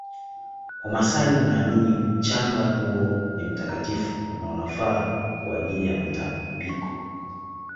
wamasai wanaamini mchanga huo ni mtakatifu na unafaa kwa ajili ya matabiko